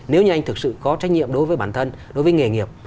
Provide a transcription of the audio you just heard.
nếu như anh thực sự có trách nhiệm đối với bản thân đối với nghề nghiệp